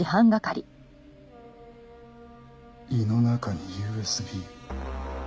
胃の中にＵＳＢ？